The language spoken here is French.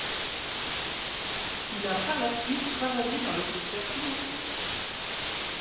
Il a par la suite travaillé dans le secteur financier.